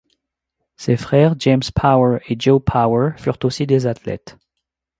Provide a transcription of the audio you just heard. Ses frères James Power et Joe Power furent aussi des athlètes.